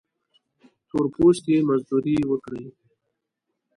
تور پوستي مزدوري وکړي.